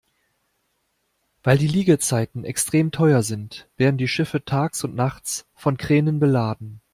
Weil die Liegezeiten extrem teuer sind, werden die Schiffe tags und nachts von Kränen beladen.